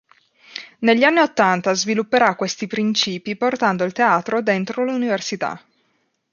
Negli anni ottanta svilupperà questi princìpi portando il teatro dentro l'Università.